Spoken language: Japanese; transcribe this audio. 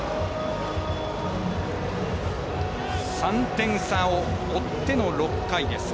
３点差を追っての６回です。